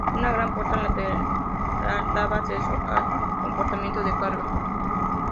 Una gran puerta lateral daba acceso al compartimiento de carga.